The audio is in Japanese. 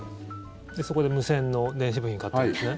そこで無線の電子部品買ってるんですね。